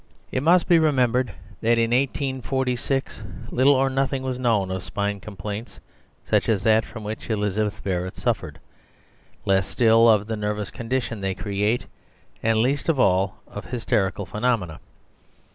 It must be remembered that in 1846 little or nothing was known of spine complaints such as that from which Elizabeth Barrett suffered, less still of the nervous conditions they create, and least of all of hysterical phenomena.